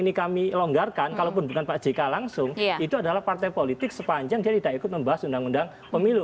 ini kami longgarkan kalaupun bukan pak jk langsung itu adalah partai politik sepanjang dia tidak ikut membahas undang undang pemilu